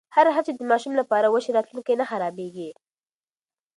هره هڅه چې د ماشوم لپاره وشي، راتلونکی نه خرابېږي.